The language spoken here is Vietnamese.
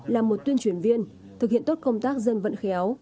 là một tuyên truyền viên thực hiện tốt công tác dân vận khéo